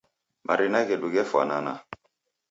Marina ghedu ghefwanana.